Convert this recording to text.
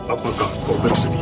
apakah kau bersedia